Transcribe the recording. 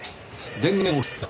電源を切っていた。